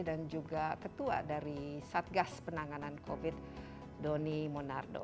dan juga ketua dari satgas penanganan covid doni monardo